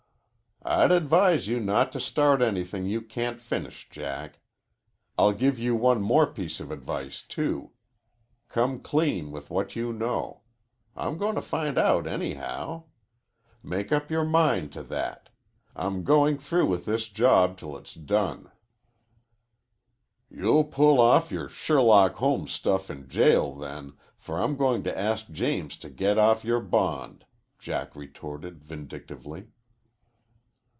"I'd advise you not to start anything you can't finish, Jack. I'll give you one more piece of advice, too. Come clean with what you know. I'm goin' to find out, anyhow. Make up your mind to that. I'm goin' through with this job till it's done." "You'll pull off your Sherlock Holmes stuff in jail, then, for I'm going to ask James to get off your bond," Jack retorted vindictively.